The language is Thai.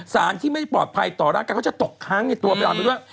สารที่ไม่ปลอดภัยต่อร่างกายเขาจะตกค้างในตัวไปเอาไปด้วย